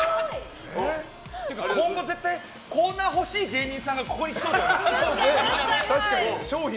今後、絶対コーナー欲しい芸人さんがここに来そうだよね。